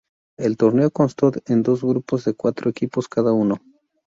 El torneo constó en dos grupos de cuatro equipos cada uno.